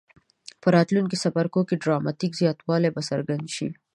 په راتلونکو څپرکو کې ډراماټیک زیاتوالی به څرګند شي.